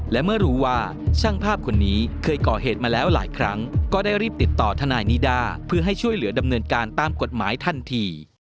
และเมื่อรู้ว่าช่างภาพคนนี้เคยก่อเหตุมาแล้วหลายครั้งก็ได้รีบติดต่อทนายนิด้าเพื่อให้ช่วยเหลือดำเนินการตามกฎหมายทันที